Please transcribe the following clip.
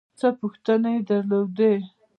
څه پوښتنې یې درلودې.